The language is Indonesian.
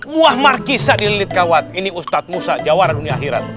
buah markisa dililit kawat ini ustadz musa jawaran dunia akhirat